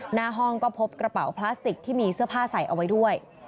หน้าห้องก็พบกระเป๋าพลาสติกที่มีเสื้อผ้าใส่เอาไว้ด้วย